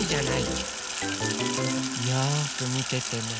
よくみててね。